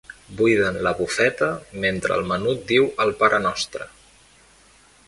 Buiden la bufeta mentre el menut diu el parenostre.